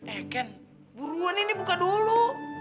eh ken buruan nih buka dulu